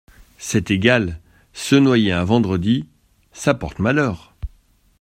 C’est égal… se noyer un vendredi… ça porte malheur !…